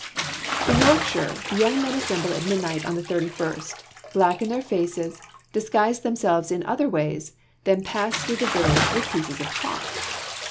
In Yorkshire, the young men assemble at midnight on the thirty first, blacken their faces, disguise themselves in other ways, then pass through the village with pieces of chalk.